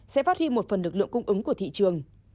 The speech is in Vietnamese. sẽ phát huy một phần lực lượng cung ứng của thị trường